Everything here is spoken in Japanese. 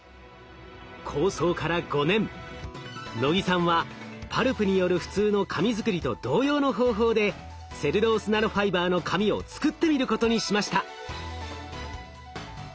能木さんはパルプによる普通の紙作りと同様の方法でセルロースナノファイバーの紙を作ってみることにしました。